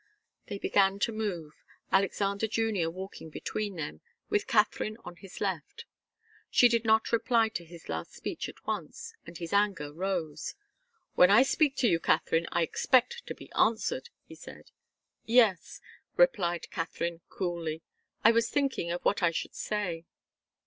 They began to move, Alexander Junior walking between them, with Katharine on his left. She did not reply to his last speech at once, and his anger rose. "When I speak to you, Katharine, I expect to be answered," he said. "Yes," replied Katharine, coolly. "I was thinking of what I should say."